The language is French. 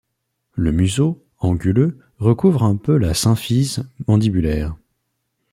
Le museau, anguleux, recouvre un peu la symphyse mandibulaire.